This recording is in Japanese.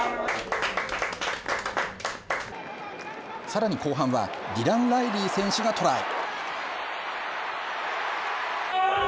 さらに後半はディラン・ライリー選手がトライ。